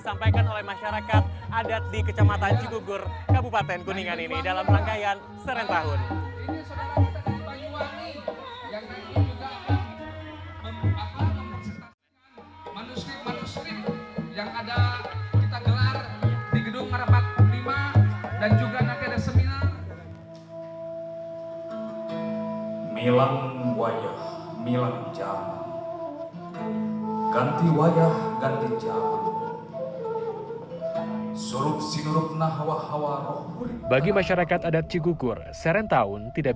sampai jumpa di video selanjutnya